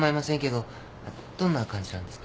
どんな感じなんですか？